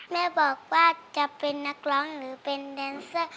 แม่บอกว่าจะเป็นนักร้องหรือเป็นแดนเซอร์ค่ะ